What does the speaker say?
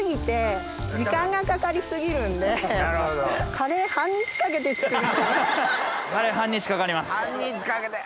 カレー半日かかります。